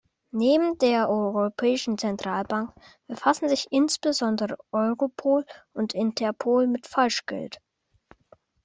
Neben der Europäischen Zentralbank befassen sich insbesondere Europol und Interpol mit Falschgeld.